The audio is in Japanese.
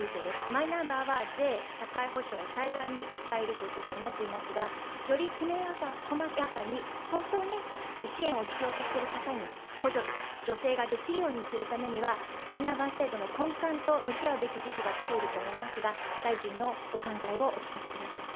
マイナンバーは税、社会保障、災害に使えるということになっていますが、よりきめ細やかに、本当に支援を必要としている方に補助とか助成ができるようにするためには、マイナンバー制度の根幹と向き合うべき時期が来ていると思いますが、大臣のお考えをお聞かせください。